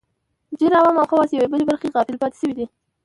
ډېر عوام او خواص یوې بلې برخې غافل پاتې شوي دي